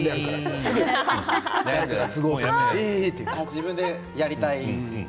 自分でやりたい。